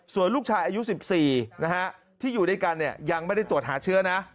ส่วนลูกชายอายุ๑๔นะฮะที่อยู่ด้วยกันยังไม่ได้ตรวจหาเชื้อนะ